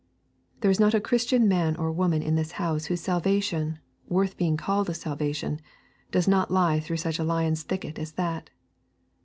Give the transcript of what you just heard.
There is not a Christian man or woman in this house whose salvation, worth being called a salvation, does not lie through such a lion's thicket as that.